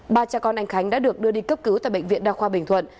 ba cha con anh khánh đã được đưa đi cấp cứu tại bệnh viện đa khoa bình thuận